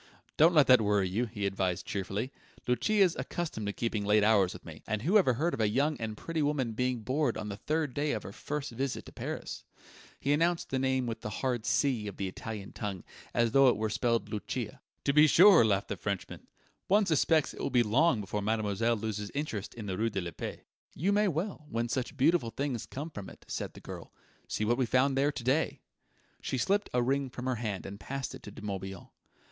"Don't let that worry you," he advised cheerfully. "Lucia's accustomed to keeping late hours with me; and who ever heard of a young and pretty woman being bored on the third day of her first visit to Paris?" He pronounced the name with the hard C of the Italian tongue, as though it were spelled Luchia. "To be sure," laughed the Frenchman; "one suspects it will be long before mademoiselle loses interest in the rue de la Paix." "You may well, when such beautiful things come from it," said the girl. "See what we found there to day." She slipped a ring from her hand and passed it to De Morbihan.